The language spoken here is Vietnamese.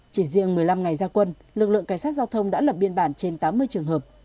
chỉ riêng một mươi năm ngày gia quân lực lượng cảnh sát giao thông đã lập biên bản trên tám mươi trường hợp